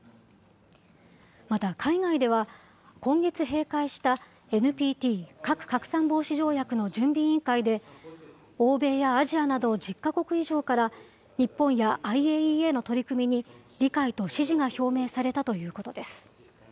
また海外では、今月閉会したＮＰＴ・核拡散防止条約の準備委員会で、欧米やアジアなど１０か国以上から、日本やＩＡＥＡの取り組みに理解と支持が表明されたということです。